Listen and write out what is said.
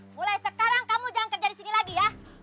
mulai sekarang kamu jangan kerja disini lagi ya